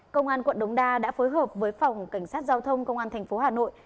công an quận đống đa đã phối hợp với phòng cảnh sát giao thông công an tp hà nội